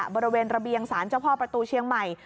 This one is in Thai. บริเวณระเบียงศาลเจ้าพ่อประตูเชียงใหม่